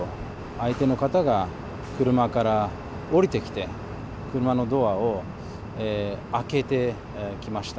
相手の方が車から降りてきて、車のドアを開けてきました。